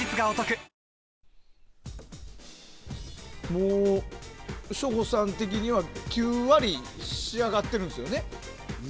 もう省吾さん的には９割仕上がってるんですよね？